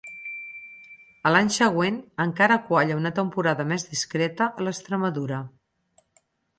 A l'any següent encara qualla una temporada més discreta a l'Extremadura.